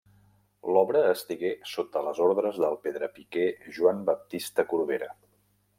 L'obra estigué sota les ordres del pedrapiquer Joan Baptista Corbera.